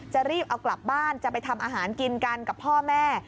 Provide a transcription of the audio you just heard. รีบเอากลับบ้านจะไปทำอาหารกินกันกับพ่อแม่